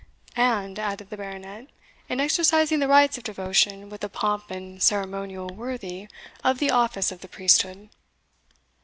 "And," added the Baronet, "in exercising the rites of devotion with a pomp and ceremonial worthy of the office of the priesthood."